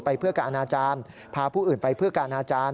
เพื่อการอนาจารย์พาผู้อื่นไปเพื่อการอาจารย์